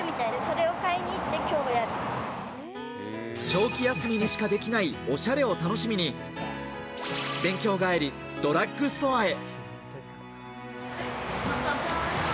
長期休みにしかできないおしゃれを楽しみに勉強帰り、ドラッグストアへ。